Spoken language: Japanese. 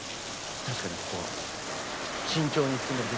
確かにここは慎重に進めるべきです。